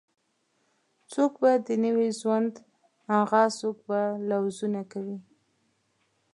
څوک به د نوې ژوند آغاز څوک به لوظونه کوي